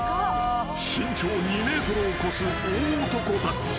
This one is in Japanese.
［身長２ｍを超す大男だった］